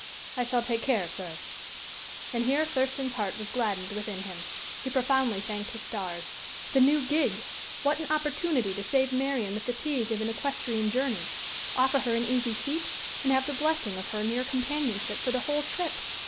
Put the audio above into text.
"I shall take care, sir." And here Thurston's heart was gladdened within him. He profoundly thanked his stars. The new gig! What an opportunity to save Marian the fatigue of an equestrian journey offer her an easy seat, and have the blessing of her near companionship for the whole trip!